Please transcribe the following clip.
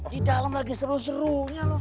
di dalam lagi seru seru